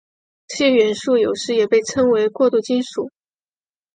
这些元素有时也被称作过渡金属。